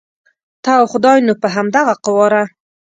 ته او خدای نو په همدغه قواره.